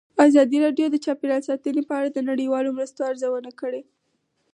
ازادي راډیو د چاپیریال ساتنه په اړه د نړیوالو مرستو ارزونه کړې.